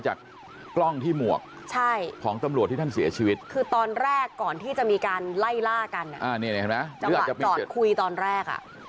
จังหวะจอดคุยตอนแรก